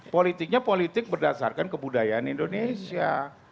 politiknya politik berdasarkan kebudayaan indonesia